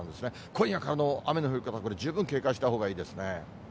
今夜からの雨の降り方、これ、十分警戒したほうがいいですね。